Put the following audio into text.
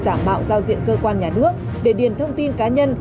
giả mạo giao diện cơ quan nhà nước để điền thông tin cá nhân